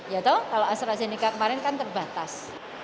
ya tau kalau astrazeneca kemarin kan terbatas